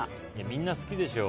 みんな好きでしょ。